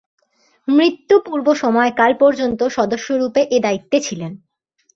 মৃত্যু-পূর্ব সময়কাল পর্যন্ত সদস্যরূপে এ দায়িত্বে ছিলেন।